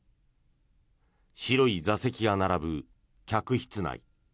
白い座席が並ぶ客室内。